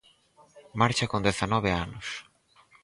Marcha con dezanove anos.